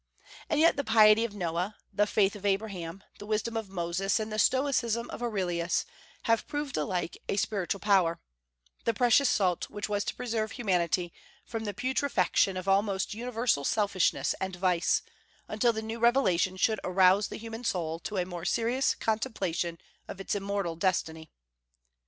And yet the piety of Noah, the faith of Abraham, the wisdom of Moses, and the stoicism of Aurelius have proved alike a spiritual power, the precious salt which was to preserve humanity from the putrefaction of almost universal selfishness and vice, until the new revelation should arouse the human soul to a more serious contemplation of its immortal destiny.